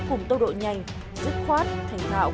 cùng tốc độ nhanh dứt khoát thành thạo